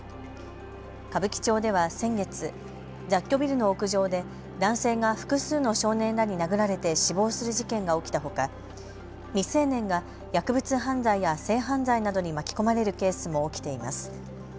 歌舞伎町では先月、雑居ビルの屋上で男性が複数の少年らに殴られて死亡する事件が起きたほか未成年が薬物犯罪や性犯罪などに巻き込まれるケースも起きています。